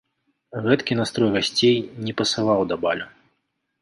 Гэткі настрой гасцей не пасаваў да балю.